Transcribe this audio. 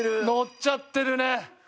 ノッちゃってるね。